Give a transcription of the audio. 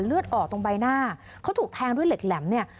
เลือดออกตรงใบหน้าเขาถูกแทงด้วยเหล็กแหลมเนี่ย